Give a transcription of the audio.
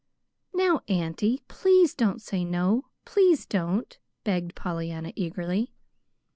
"Now, auntie, please don't say no please don't," begged Pollyanna, eagerly.